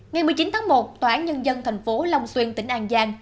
ngày một mươi chín tháng một tòa án nhân dân thành phố long xuyên tỉnh an giang